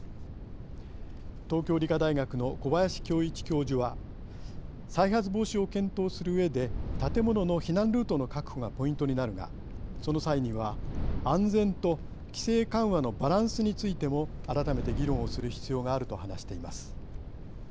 東京理科大学の小林恭一教授は「再発防止を検討するうえで建物の避難ルートの確保がポイントになるがその際には安全と規制緩和のバランスについても改めて議論をする必要がある」と話しています。